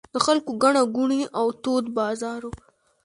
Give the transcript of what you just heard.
د خلکو ګڼه ګوڼې او تود بازار و.